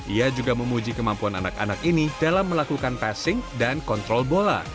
ia juga memuji kemampuan anak anak ini dalam melakukan passing dan kontrol bola